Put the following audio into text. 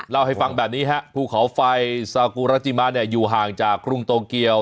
เล่าให้ฟังแบบนี้ฮะภูเขาไฟซากูราจิมาเนี่ยอยู่ห่างจากกรุงโตเกียว